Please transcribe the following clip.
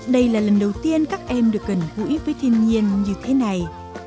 đây là lần đầu tiên các em được gần gũi với thiên nhiên như thế này